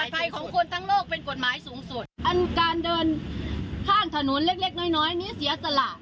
ภัยของคนทั้งโลกเป็นกฎหมายสูงสุดอันการเดินข้างถนนเล็กเล็กน้อยน้อยนี้เสียสละ